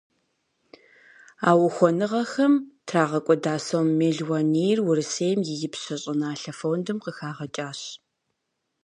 А ухуэныгъэхэм трагъэкӏуэда сом мелуанийр Урысейм и Ипщэ щӏыналъэ фондым къыхагъэкӏащ.